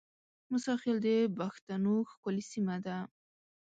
موساخېل د بښتنو ښکلې سیمه ده